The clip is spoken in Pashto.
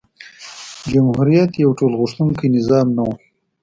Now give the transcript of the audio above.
جمهوریت یو ټولغوښتونکی نظام نه و.